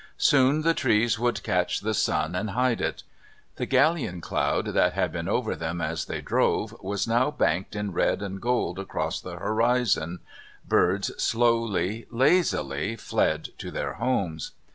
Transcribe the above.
Soon the trees would catch the sun and hide it; the galleon cloud that had been over them as they drove was new banked in red and gold across the horizon; birds slowly, lazily fled to their homes.